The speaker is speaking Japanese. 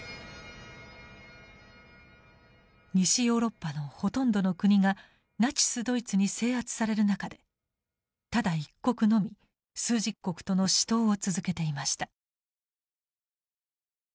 西ヨーロッパのほとんどの国がナチスドイツに制圧される中でただ一国のみ枢軸国との死闘を続けていました。